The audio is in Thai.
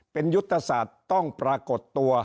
เป็นยุทธศาสตร์ต้องปรากฏตัว